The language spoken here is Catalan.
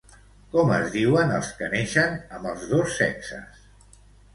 Com es diuen els que neixen amb els dos sexes?